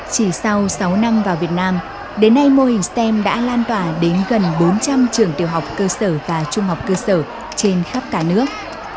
chỉ sau sáu năm vào việt nam đến nay mô hình stem đã lan tỏa đến gần bốn trăm linh trường tiểu học cơ sở và trung học cơ sở trên khắp cả nước